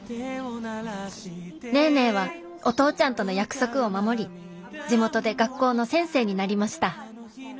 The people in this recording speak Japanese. ネーネーはお父ちゃんとの約束を守り地元で学校の先生になりました。